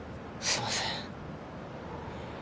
すいません。